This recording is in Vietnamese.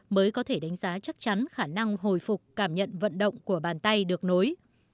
mới có thể đánh giá chắc chắn khả năng hồi phục cảm nhận vận động của bàn tay được nối